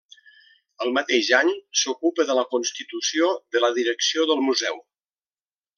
El mateix any, s'ocupa de la constitució de la direcció del Museu.